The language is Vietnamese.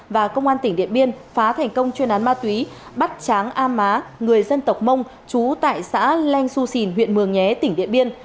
và công an tỉnh điện biên phá thành công chuyên án ma túy bắt tráng a má người dân tộc mông chú tại xã len xu sìn huyện mường nhé tỉnh điện biên